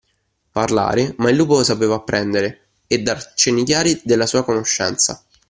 Parlare, ma il lupo sapeva apprendere, e dar cenni chiari della sua conoscenza